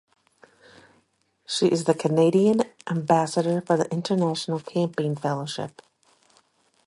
She is the Canadian Ambassador for the International Camping Fellowship.